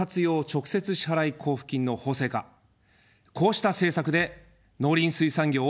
直接支払交付金の法制化、こうした政策で農林水産業を応援します。